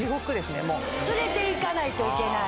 連れて行かないといけない。